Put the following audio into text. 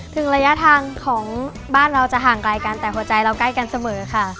ถึงระยะทางของบ้านเราจะห่างไกลกันแต่หัวใจเราใกล้กันเสมอค่ะ